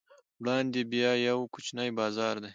وړاندې بیا یو کوچنی بازار دی.